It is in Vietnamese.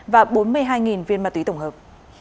và bốn mươi hai viên ma túy tổng hợp